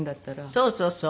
そうそうそう。